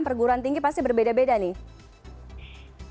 perguruan tinggi pasti berbeda beda nih